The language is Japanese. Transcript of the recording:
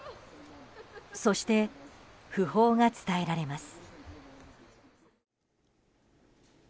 そして、訃報が伝えられます。